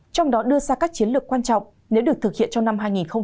trong đó đưa ra các chiến lược quan trọng nếu được thực hiện trong năm hai nghìn hai mươi